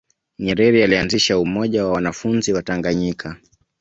nyerere alianzisha umoja wa wanafunzi wa tanganyika